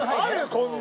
こんな？